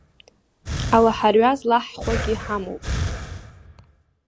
Алаҳарҩа злаҳхуагьы ҳамоуп…